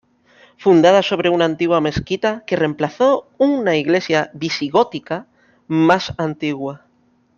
Fundada sobre una antigua mezquita que reemplazó una iglesia visigótica más antigua.